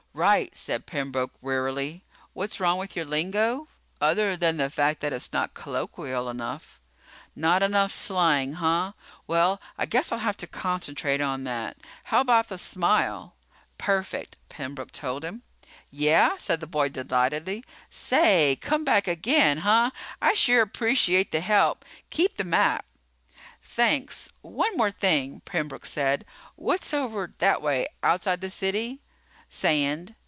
"Right," said Pembroke wearily. "What's wrong with your lingo? Other than the fact that it's not colloquial enough." "Not enough slang, huh? Well, I guess I'll have to concentrate on that. How about the smile?" "Perfect," Pembroke told him. "Yeah?" said the boy delightedly. "Say, come back again, huh? I sure appreciate the help. Keep the map." "Thanks. One more thing," Pembroke said. "What's over that way outside the city?" "Sand."